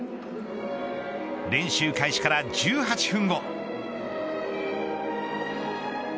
練習開始から１８分後。